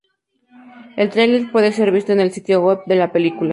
El trailer puede ser visto en el sitio web de la película.